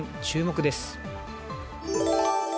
注目です。